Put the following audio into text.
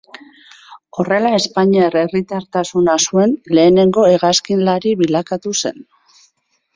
Horrela espainiar herritartasuna zuen lehenengo hegazkinlari bilakatu zen.